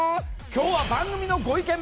今日は番組のご意見